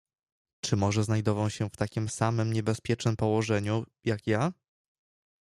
"Czy może znajdował się w takiem samem niebezpiecznem położeniu, jak ja?"